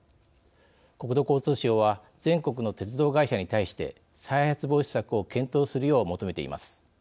国土交通省は全国の鉄道会社に対して再発防止策を検討するよう求めています。